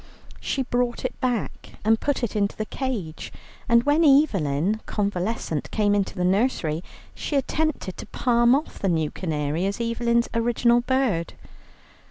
She brought it back and put it into the cage, and when Evelyn, convalescent, came into the nursery, she attempted to palm off the new canary as Evelyn's original bird.